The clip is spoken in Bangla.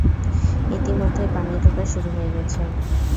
ইতিমধ্যেই পানি ঢোকা শুরু হয়ে গেছে।